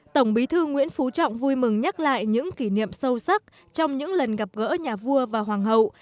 tổng bí thư nguyễn phú trọng vui mừng nhắc lại những kỷ niệm sâu sắc trong những lần gặp gỡ nhà vua và hoàng hậu